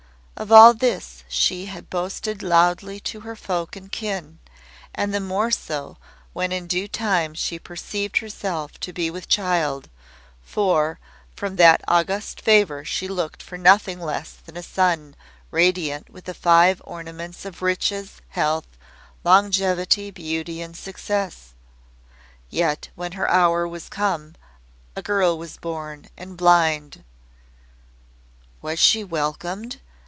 Of all this she boasted loudly to her folk and kin, and the more so, when in due time she perceived herself to be with child, for, from that august favour she looked for nothing less than a son, radiant with the Five Ornaments of riches, health, longevity, beauty, and success. Yet, when her hour was come, a girl was born, and blind." "Was she welcomed?"